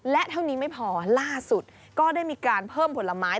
และเท่านี้ไม่พอล่าสุดก็ได้มีการเพิ่มผลไม้